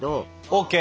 ＯＫ。